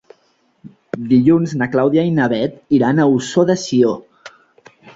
Dilluns na Clàudia i na Bet iran a Ossó de Sió.